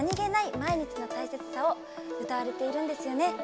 毎日の大切さを歌われているんですよね。